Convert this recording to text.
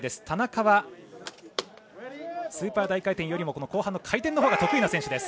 田中はスーパー大回転よりも後半の回転のほうが得意な選手。